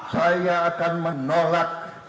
saya akan menolak